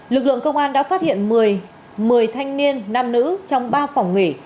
lực lượng công an đã phát hiện một mươi thanh niên nam nữ trong ba phòng nghỉ